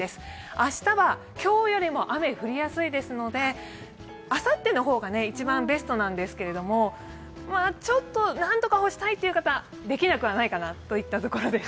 明日は今日よりも雨、降りやすいですのであさっての方がベストなんですけどちょっと何とか干したいという方、できなくはないかなというところです。